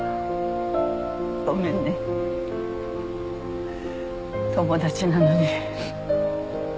ごめんね友達なのに。